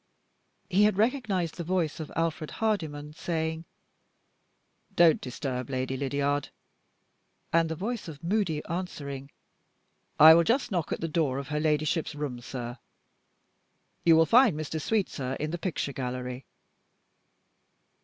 He had recognized the voice of Alfred Hardyman saying, "Don't disturb Lady Lydiard," and the voice of Moody answering, "I will just knock at the door of her Ladyship's room, sir; you will find Mr. Sweetsir in the picture gallery."